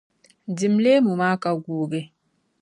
Dim leemu maa ka guugi.